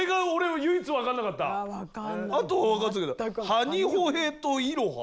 あとは分かったけどハニホヘトイロハ。